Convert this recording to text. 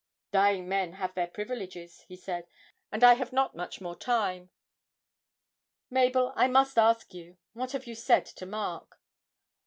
'Dying men have their privileges,' he said, 'and I have not much more time. Mabel, I must ask you: What have you said to Mark?'